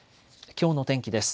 きょうの天気です。